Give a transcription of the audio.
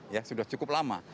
ya sudah cukup lama